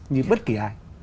như bất kỳ ai